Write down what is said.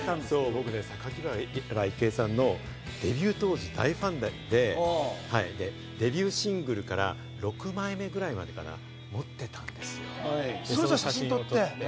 僕ね、榊原郁恵さんのデビュー当時から大ファンであって、デビューシングルから６枚目ぐらいまでかな、持ってたんですよ。